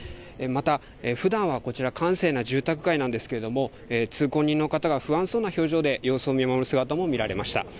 また、ふだんは、こちら閑静な住宅街なんですけれども通行人の方が不安そうな表情で様子を見守る姿も見られました。